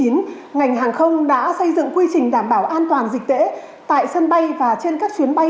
ngành hàng không đã xây dựng quy trình đảm bảo an toàn dịch tễ tại sân bay và trên các chuyến bay